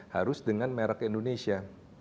harus dengan merek indonesia